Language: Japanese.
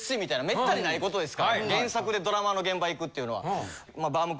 めったにないことですから原作でドラマの現場行くっていうのは。